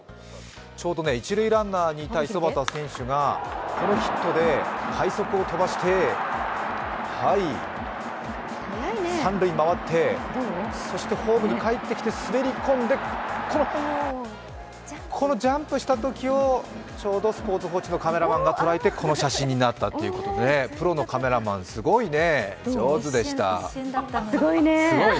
ちょうど一塁ランナーにいた五十幡選手がこのヒットで快足を飛ばして、はい、三塁を回ってそしてホームに帰ってきて滑り込んで、このジャンプしたときを「スポーツ報知」のカメラマンが撮ってこの写真になったというね、プロのカメラマンすごいね、上手でした。